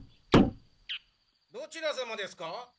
・どちら様ですか？